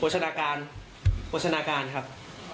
ชนาการโภชนาการครับ